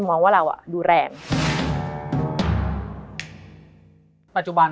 มันทำให้ชีวิตผู้มันไปไม่รอด